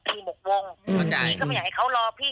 พี่ก็ไม่อยากให้เขารอพี่